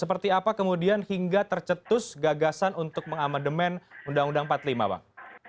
seperti apa kemudian hingga tercetus gagasan untuk mengamandemen undang undang empat puluh lima bang